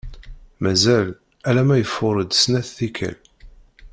Mazal, alamma ifuṛ-d snat tikkal.